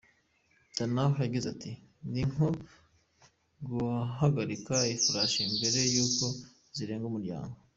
Donahoe yagize ati “Ni nko guhagarika ifarashi mbere y’uko zirenga umuryango.